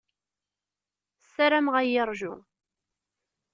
Ssarameɣ ad iyi-yeṛju.